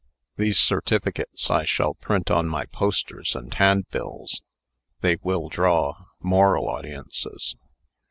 These certificates I shall print on my posters and handbills. They will draw moral audiences.